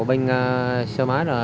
bên xe máy